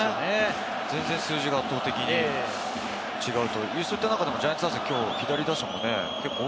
全然数字が圧倒的に違う。